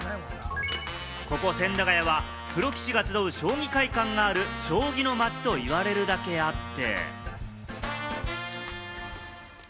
千駄ヶ谷はプロ棋士が集う将棋会館がある将棋の街と言われるだけあって。